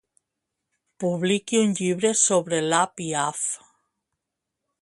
Publiqui un llibre sobre la Piaff.